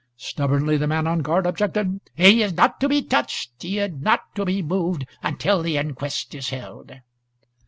Stubbornly the man on guard objected: "He is not to be touched. He is not to be moved until the inquest is held."